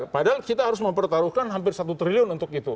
padahal kita harus mempertaruhkan hampir satu triliun untuk itu